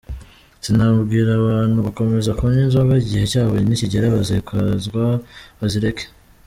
Sinabwira abantu gukomeza kunywa inzoga, igihe cyabo nikigera bazakizwa bazireke.